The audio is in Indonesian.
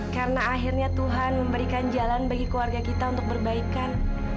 karena akhirnya tuhan memberikan jalan bagi keluarga kita untuk berbaikan